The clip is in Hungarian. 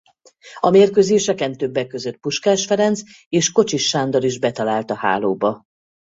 A mérkőzéseken többek között Puskás Ferenc és Kocsis Sándor is betalált a hálóba.